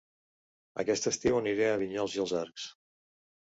Aquest estiu aniré a Vinyols i els Arcs